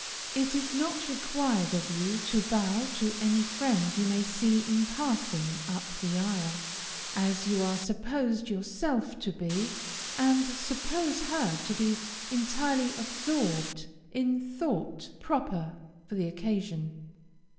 It is not required of you to bow to any friend you may see in passing up the aisle, as you are supposed yourself to be, and suppose her to be entirely absorbed in thought proper for the occasion.